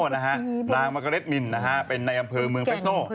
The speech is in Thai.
นางมะกะเล็ดมินเป็นในอำเภอเมืองเฟสโน